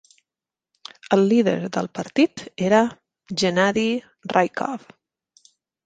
El líder del partit era Gennady Raikov.